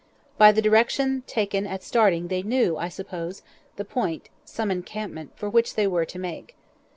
By the direction taken at starting they knew, I suppose, the point (some encampment) for which they were to make.